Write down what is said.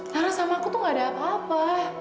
karena sama aku tuh gak ada apa apa